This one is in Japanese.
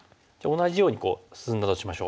同じようにこう進んだとしましょう。